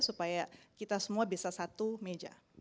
supaya kita semua bisa satu meja